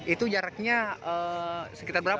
itu jaraknya sekitar berapa